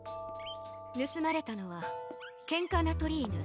ぬすまれたのは「犬化ナトリイヌ」。